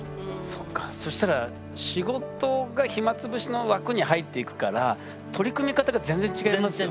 そっかそしたら仕事が暇つぶしの枠に入っていくから取り組み方が全然違いますね。